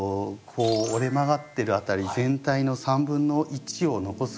こう折れ曲がってる辺り全体の３分の１を残すぐらい。